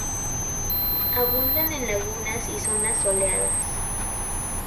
Abundan en lagunas y zonas soleadas.